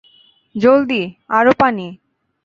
জলদি, আরো পানি!